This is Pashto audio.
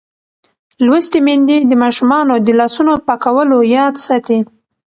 لوستې میندې د ماشومانو د لاسونو پاکولو یاد ساتي.